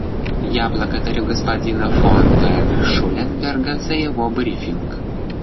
Я благодарю господина фон дер Шуленбурга за его брифинг.